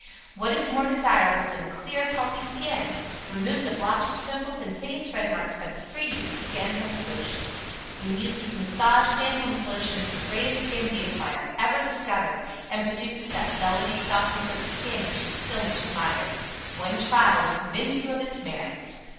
WHAT IS MORE DESIRABLE THAN A CLEAR, HEALTHY SKIN? Remove the blotches, Pimples and hideous red marks by the free use of SANDHOLM'S LOTION. When used as a massage, Sandholm's Lotion is the greatest skin beautifier ever discovered, and produces that velvety softness of the skin which is so much admired. One trial will convince you of its merits.